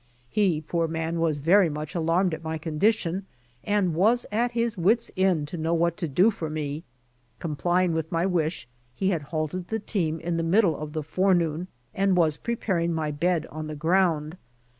He, poor man, was very much alarmed at my condition, and was at his wit's end to know what to do for me. Com plying with my wish, he had halted the teami in the middle of the forenoon and was preparing my bed on the ground.